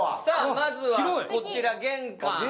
まずはこちら玄関。